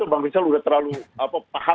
oke jadi saya tidak perlu mengajari bang rizal